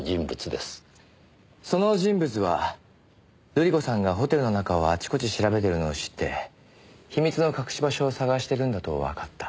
その人物は瑠璃子さんがホテルの中をあちこち調べてるのを知って秘密の隠し場所を探してるんだとわかった。